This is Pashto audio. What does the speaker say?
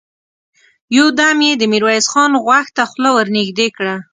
يودم يې د ميرويس خان غوږ ته خوله ور نږدې کړه!